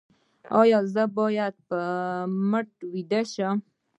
ایا زه باید په کټ ویده شم؟